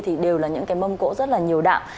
thì đều là những cái mâm cỗ rất là nhiều đạo